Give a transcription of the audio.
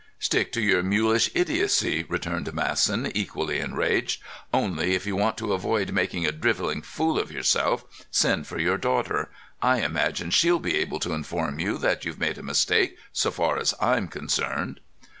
"Stick to your mulish idiocy," returned Masson, equally enraged; "only, if you want to avoid making a drivelling fool of yourself, send for your daughter. I imagine she'll be able to inform you that you've made a mistake, so far as I'm concerned."